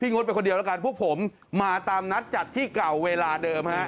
งดไปคนเดียวแล้วกันพวกผมมาตามนัดจัดที่เก่าเวลาเดิมฮะ